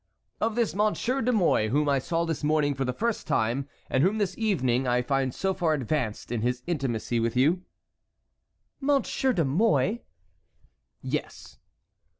"Of this Monsieur de Mouy, whom I saw this morning for the first time, and whom this evening I find so far advanced in his intimacy with you." "Monsieur de Mouy?" "Yes."